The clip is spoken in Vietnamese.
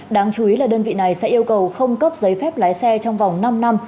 đáng chú ý là đơn vị này sẽ yêu cầu không cấp giấy phép lái xe trong vòng năm năm